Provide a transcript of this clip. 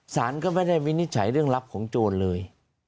สารก็ไม่ได้วินิจฉัยเรื่องลับของโจรเลย